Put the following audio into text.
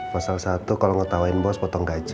masalah satu kalau ngetawain bos potong gaji